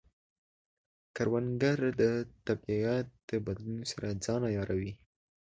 کروندګر د طبیعت د بدلون سره ځان عیاروي